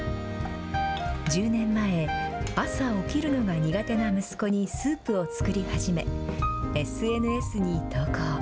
１０年前、朝起きるのが苦手な息子にスープを作り始め、ＳＮＳに投稿。